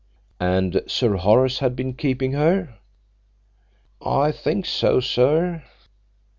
"And Sir Horace had been keeping her?" "I think so, sir."